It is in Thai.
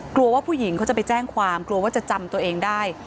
กลัวว่าผู้หญิงเขาจะไปแจ้งความกลัวว่าจะจำตัวเองได้